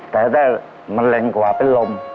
แต่ถ้ามันแรงกว่าเป็นลม